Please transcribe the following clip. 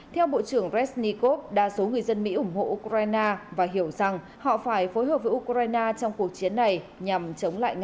theo bộ trưởng resnikov đa số người dân mỹ ủng hộ ukraine và hiểu rằng họ phải phối hợp với ukraine trong cuộc chiến này nhằm chống lại nga